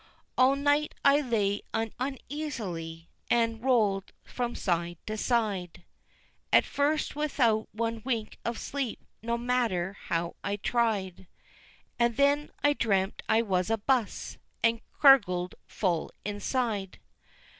All night I lay uneasily, and rolled from side to side, At first without one wink of sleep, no matter how I tried; And then I dreamt I was a 'bus, and gurgled 'Full inside!'